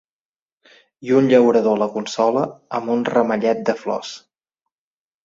I un llaurador la consola amb un ramellet de flors.